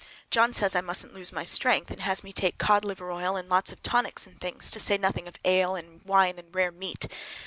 John says I musn't lose my strength, and has me take cod liver oil and lots of tonics and things, to say nothing of ale and wine and rare meat.